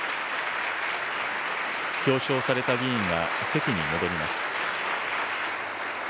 表彰された議員は席に戻ります。